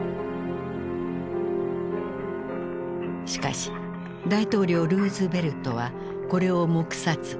しかし大統領ルーズベルトはこれを黙殺。